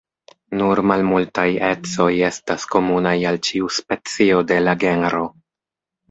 Nur malmultaj ecoj estas komunaj al ĉiu specio de la genro.